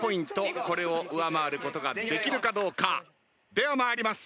では参ります。